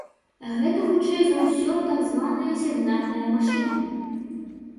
Гэта, хутчэй за ўсё, так званая сігнальная машына.